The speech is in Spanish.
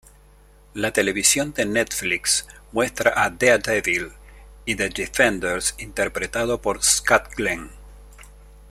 La televisión de Netflix muestra a "Daredevil" y "The Defenders" interpretado por Scott Glenn.